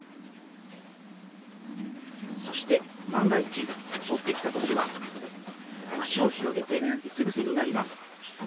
そして万が一襲ってきたときは、足を広げて、うつ伏せになります。